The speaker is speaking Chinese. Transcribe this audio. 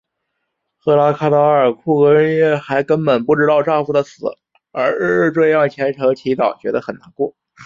赫拉看到阿尔库俄涅还根本不知道丈夫的死而日日这样虔诚祈祷觉得很难过。